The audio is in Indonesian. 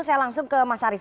saya langsung ke mas arief